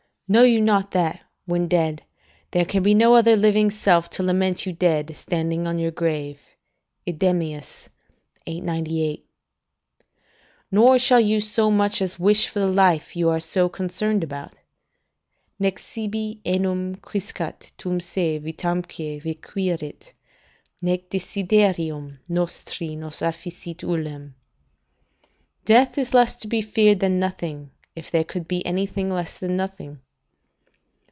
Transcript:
["Know you not that, when dead, there can be no other living self to lament you dead, standing on your grave." Idem., ibid., 898.] "Nor shall you so much as wish for the life you are so concerned about: "'Nec sibi enim quisquam tum se vitamque requirit. .................................................. "'Nec desiderium nostri nos afficit ullum.' "Death is less to be feared than nothing, if there could be anything less than nothing.